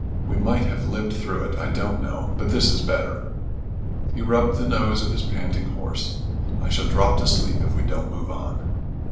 We might have lived through it I don't know, but this is better." He rubbed the nose of his panting horse. "I shall drop to sleep if we don't move on."